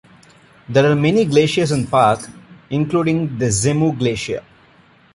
There are many glaciers in the park including the Zemu glacier.